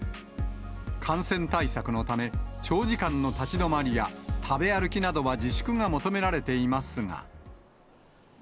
感染対策のため、長時間の立ち止まりや食べ歩きなどは自粛が求められていますが。